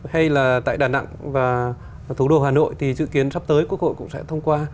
hay là tại đà nẵng và thủ đô hà nội thì dự kiến sắp tới quốc hội cũng sẽ thông qua